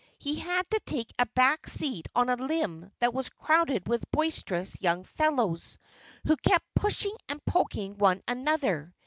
He had to take a back seat on a limb that was crowded with boisterous young fellows, who kept pushing and poking one another.